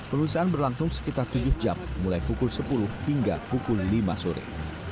pemeriksaan berlangsung sekitar tujuh jam mulai pukul sepuluh hingga pukul lima sore